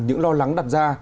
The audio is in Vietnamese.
những lo lắng đặt ra